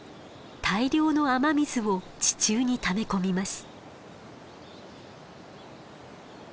大量の雨水を地中にため込みます。